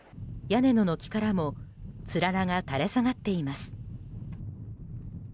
屋根の軒からもつららが垂れ下がっています。